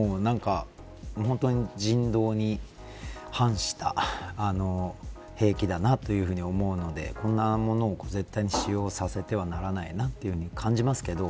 本当に、人道に反した兵器だなというふうに思うのでこんなものを絶対に使用させてはならないなと感じますけど。